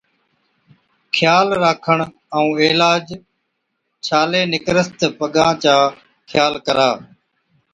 خيال راکڻ ائُون عِلاج، ڇالي نِڪرس تہ پگان چا خيال ڪرا،